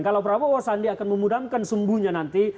kalau berapa wah sandi akan memudamkan sumbunya nanti